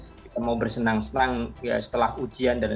kita mau bersenang senang setelah ujian dari